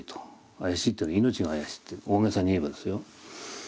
怪しいっていうの命が怪しいって大げさに言えばですよ。